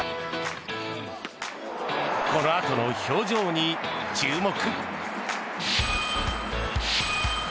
このあとの表情に注目。